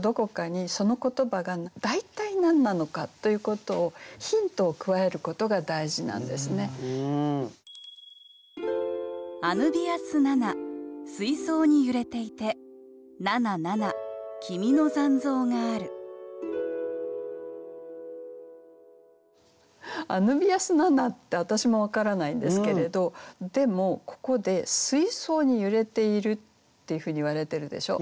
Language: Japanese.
どこかにその言葉が大体何なのかということを「アヌビアス・ナナ」って私も分からないんですけれどでもここで「水槽に揺れてゐる」っていうふうに言われているでしょ。